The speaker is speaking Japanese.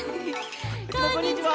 こんにちは。